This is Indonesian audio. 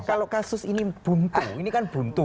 kalau kasus ini buntung ini kan buntu